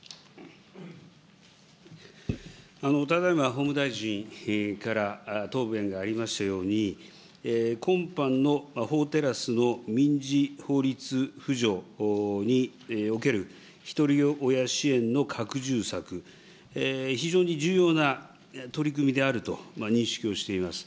ただいま法務大臣から答弁がありましたように、今般の法テラスの民事法律扶助におけるひとり親支援の拡充策、非常に重要な取り組みであると認識をしています。